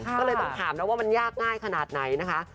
แต่จะถามนะว่ามันยากง่ายขนาดไหนนะคะ